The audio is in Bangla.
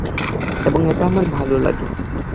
এবং এটা আমার ভালো লাগে।